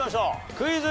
クイズ。